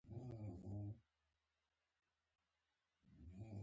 د میرمنو کار د کورنۍ اقتصاد پیاوړتیا کوي.